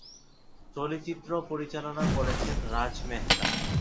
চলচ্চিত্রটি পরিচালনা করেছেন রাজ মেহতা।